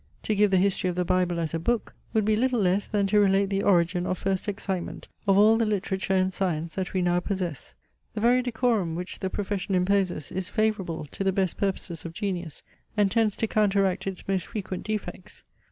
To give the history of the Bible as a book, would be little less than to relate the origin or first excitement of all the literature and science, that we now possess. The very decorum, which the profession imposes, is favourable to the best purposes of genius, and tends to counteract its most frequent defects.